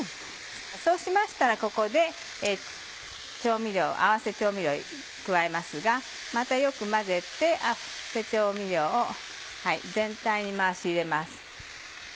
そうしましたらここで合わせ調味料加えますがまたよく混ぜて合わせ調味料を全体に回し入れます。